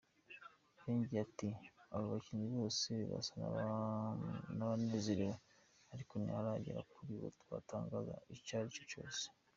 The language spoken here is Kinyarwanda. Yongeye ati: "Abo bakinyi bose basa n'abanezerewe ariko ntiharagera aho twotangaza icarico cose.